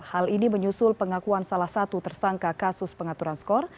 hal ini menyusul pengakuan salah satu tersangka kasus pengaturan skor